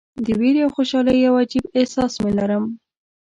د ویرې او خوشالۍ یو عجیب احساس مې لرم.